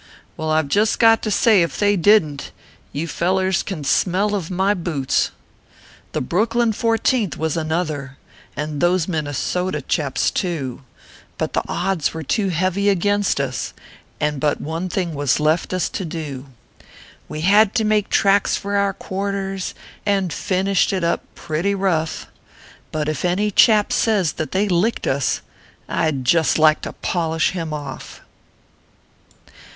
Well I ve just got to say, if they didn t You fellers can smell of my boots ! The Brooklyn Fourteenth was another, And those Minnesota chaps too ; But the odds were too heavy against us, And but one thing was left us to do : Wo had to make tracks for our quarters, And finished it up pretty rough ; But if any chap says that they licked us, I d just like to polish him off!